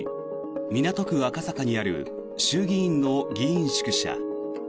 港区赤坂にある衆議院の議員宿舎。